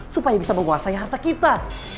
supaya bisa menguasai harta kita